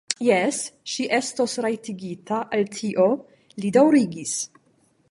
Jes, ŝi estos rajtigita al tio, li daŭrigis.